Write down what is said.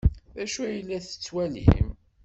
D acu ay la tettwalim?